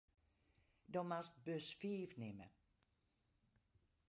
Do moatst bus fiif nimme.